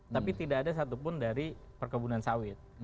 tapi tidak ada satupun dari perkebunan sawit